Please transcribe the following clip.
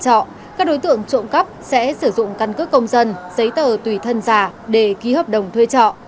các đối tượng trộm cắp sẽ sử dụng căn cước công dân giấy tờ tùy thân giả để ký hợp đồng thuê trọ